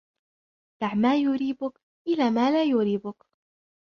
دَعْ مَا يَرِيبُكَ إِلَى مَا لاَ يَرِيبُكَ